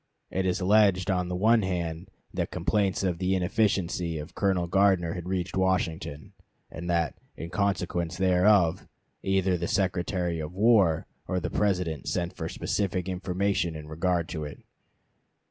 It is alleged on the one hand that complaints of the inefficiency of Colonel Gardner had reached Washington, and that, in consequence thereof, either the Secretary of War or the President sent for specific information in regard to it.